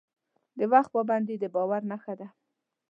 د وخت پابندي د باور نښه ده.